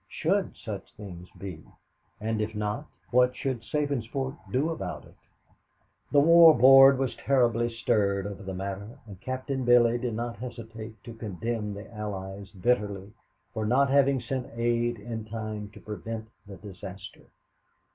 Should such things be? And if not, what should Sabinsport do about it? The War Board was terribly stirred over the matter, and Captain Billy did not hesitate to condemn the Allies bitterly for not having sent aid in time to prevent the disaster.